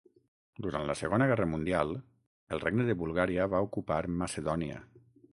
Durant la Segona Guerra Mundial el regne de Bulgària va ocupar Macedònia.